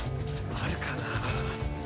あるかなあ。